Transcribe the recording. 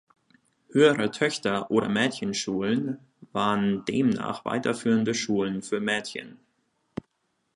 Höhere Töchter- oder Mädchenschulen waren demnach weiterführende Schulen für Mädchen.